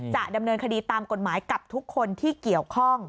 จะดำเนินคดีตามกฎหมายกับทุกคนที่เกี่ยวข้อง